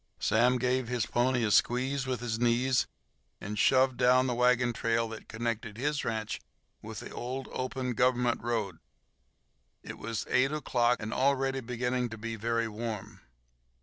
Sam gave his pony a squeeze with his knees and "shoved" down the wagon trail that connected his ranch with the old, open Government road. It was eight o'clock, and already beginning to be very warm.